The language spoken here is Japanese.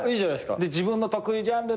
自分の得意ジャンルだ！